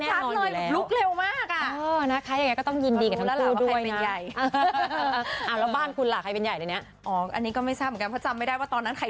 อ่าอันนี้เรียนแน่นอนอยู่แล้ว